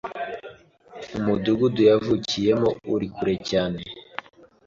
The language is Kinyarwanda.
Umudugudu yavukiyemo uri kure cyane.